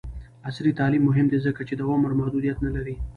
عصري تعلیم مهم دی ځکه چې د عمر محدودیت نه لري.